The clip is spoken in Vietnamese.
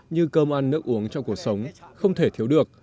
như cơm ăn nước uống trong cuộc sống không thể thiếu được